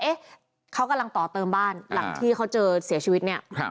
เอ๊ะเขากำลังต่อเติมบ้านหลังที่เขาเจอเสียชีวิตเนี่ย